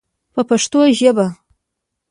په پښتو ژبه.